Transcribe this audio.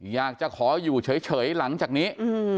อยากจะขออยู่เฉยหลังจากนี้